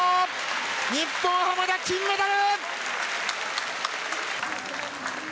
日本、濱田、金メダル！